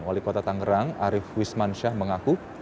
wali kota tangerang arief wisman syah mengaku